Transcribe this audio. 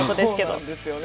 そうなんですよね。